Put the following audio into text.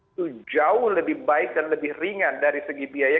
itu jauh lebih baik dan lebih ringan dari segi biaya